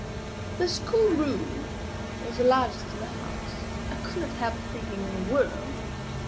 The school room was the largest in the house I could not help thinking, in the world.